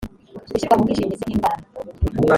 gushyirwa mu bwishingizi bw indwara